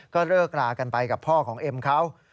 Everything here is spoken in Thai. ก็เลิกรากันไปกับพ่อของเอ็มเขา